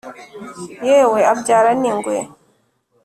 yewe abyara n'ingwe